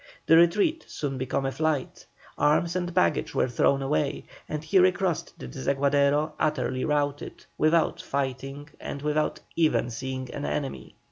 The retreat soon became a flight, arms and baggage were thrown away, and he recrossed the Desaguadero utterly routed, without fighting and without even seeing an enemy.